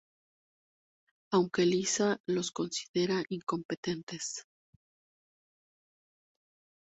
Aunque Lisa los considera incompetentes.